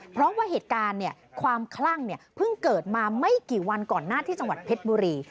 เพราะว่าเหตุการณ์ความคลั่งเพิ่งเกิดมาไม่กี่วันก่อนหน้าที่จังหวัดเพชรบุรี